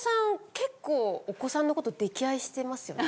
結構お子さんのこと溺愛してますよね。